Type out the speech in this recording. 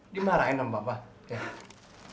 dimarahin sama bapak